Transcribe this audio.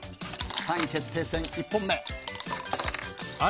３位決定戦、１本目。